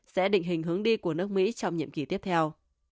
sẽ định hình hướng đi của nước mỹ trong nhiệm kỳ tiếp theo